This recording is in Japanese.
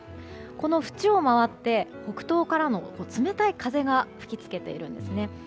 この縁を回って北東からの冷たい風が吹き付けているんですね。